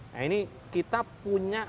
nah ini kita punya